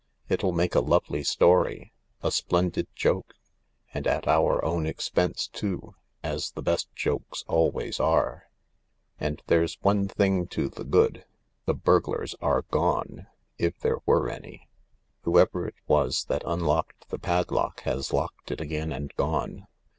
It'll make a lovely story— a splendid joke, and at our own expense too, as the best jokes always are. And there's 132 THE LARK one thing to the good. The burglars are gone~ ii there were any. Whoever it was that unlocked the padlock has locked it again and gone.